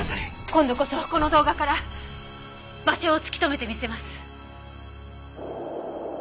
今度こそこの動画から場所を突き止めて見せます。